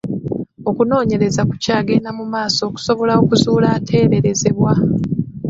Okunoonyereza kukyagenda mu maaso okusobola okuzuula ateeberezebwa.